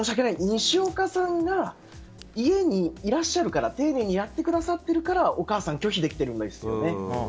にしおかさんが家にいらっしゃるから丁寧にやってくださっているからお母さんは拒否できているんですよ。